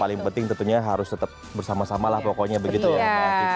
yang penting tentunya harus tetap bersama sama lah pokoknya begitu ya